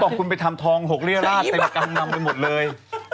เขาบอกปูนไปทำทอง๖ริยาลาศไปกังนัมเลยหมดเลย